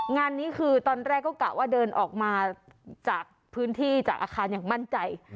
งานนี้คือตอนแรกก็กะว่าเดินออกมาจากพื้นที่จากอาคารอย่างมั่นใจ